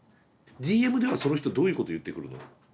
ＤＭではその人どういうこと言ってくるの？